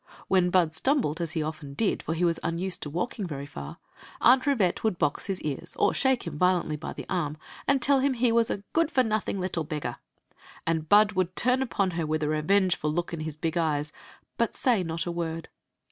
When Bud stumbled, as he often did, for he was unused to walking very for, Aunt Rivette would box his ears or shake him vio lently by the arm or tell him he was "a good for nothing little beggar." And Bud would turn upon her with a revengeful look in his big eyes, but say not a word.